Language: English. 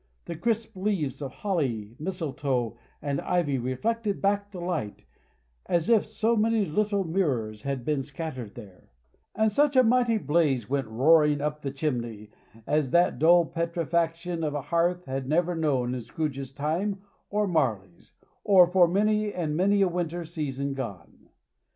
The crisp leaves of holly, mistletoe, and ivy reflected back the light, as if so many little mirrors had been scattered there; and such a mighty blaze went roaring up the chimney, as that dull petrifaction of a hearth had never known in Scrooge's time, or Marley's, or for many and many a winter season gone.